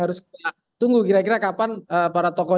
harus kita tunggu kira kira kapan para tokoh